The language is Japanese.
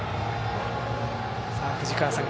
藤川さん